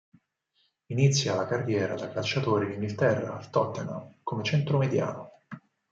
Inizia la carriera da calciatore in Inghilterra, al Tottenham, come centromediano.